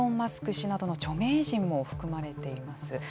氏などの著名人も含まれています。